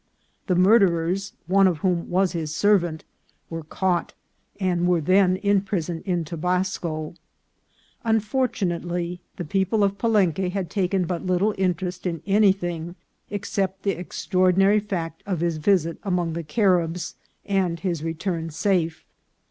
The murderers, one of whom was his servant, were caught, and were then in prison in Tobasco. Unfortu nately, the people of Palenque had taken but little in terest in anything except the extraordinary fact of his visit among the Caribs and his return safe.